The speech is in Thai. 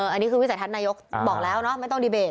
อันนี้คือวิสัยทัศน์นายกบอกแล้วเนาะไม่ต้องดีเบต